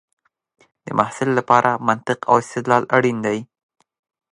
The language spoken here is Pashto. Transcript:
د محصل لپاره منطق او استدلال اړین دی.